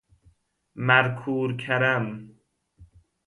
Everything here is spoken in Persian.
مرکورکرم